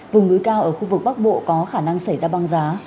vùng núi cao ở khu vực bắc bộ có khả năng xảy ra băng giá